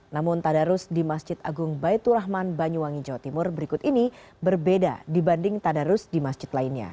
namun tadarus di masjid agung baitur rahman banyuwangi jawa timur berikut ini berbeda dibanding tadarus di masjid lainnya